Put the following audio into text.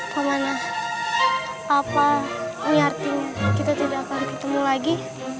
pak manah apa artinya kita tidak akan bertemu lagi